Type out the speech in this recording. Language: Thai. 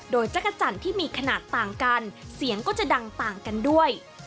โดยจักรจันทร์ที่มีขนาดต่างกันเสียงก็จะดังต่างกันด้วย